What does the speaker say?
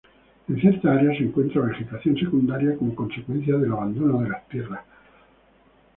En ciertas áreas se encuentra vegetación secundaria como consecuencia del abandono de las tierras.